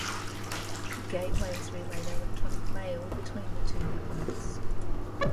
Gateways relayed electronic mail between the two networks.